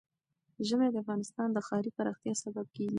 ژمی د افغانستان د ښاري پراختیا سبب کېږي.